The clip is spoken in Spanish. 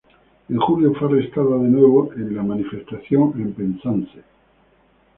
En julio fue arrestada de nuevo en una manifestación en Penzance.